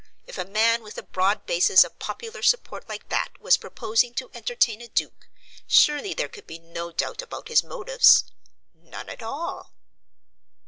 If a man with a broad basis of popular support like that was proposing to entertain a duke, surely there could be no doubt about his motives? None at all.